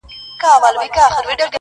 دوه غوايي يې ورته وچیچل په لار کي!!